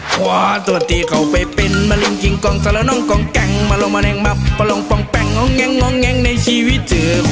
สวัสดีเขาไปเป็นมาริงทิงกองสระนมกองแกงมาร่วงมะแนะงมับปะร่วงฟังแป้งงงแยงง้องแยงในชีวิตเถอะ